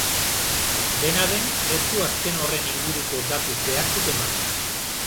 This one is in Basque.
Dena den, ez du azken horren inguruko datu zehatzik eman.